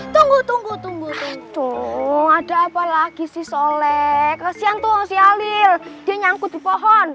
tunggu tunggu tunggu tuh ada apa lagi sih soleh kasihan tuh si alir jangkut di pohon